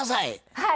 はい。